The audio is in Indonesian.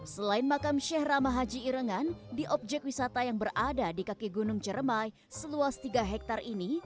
selain makam syekh rahmah haji irengan di objek wisata yang berada di kaki gunung ciremai seluas tiga hektar ini